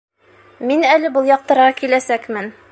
Мин әле был яҡтарға киләсәкмен.